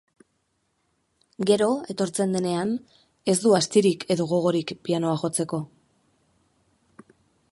Gero, etortzen denean, ez du astirik edo gogorik pianoa jotzeko.